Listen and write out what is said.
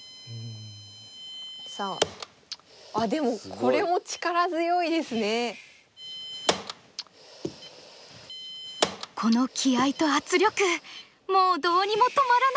この気合いと圧力もうどうにも止まらない。